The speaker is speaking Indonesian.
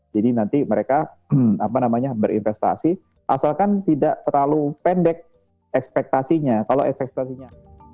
jadi nanti mereka berinvestasi asalkan tidak terlalu pendek ekspektasinya